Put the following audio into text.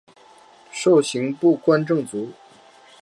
授刑部观政卒。